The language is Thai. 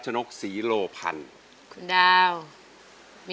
ยินดีด้วยนะครับ